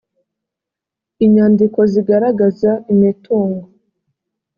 inyandiko zigaragaza imitungo